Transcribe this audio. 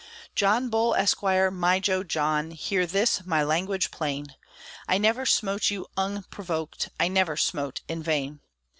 John Bull, Esquire, my jo John, Hear this my language plain: I never smote you unprovoked, I never smote in vain.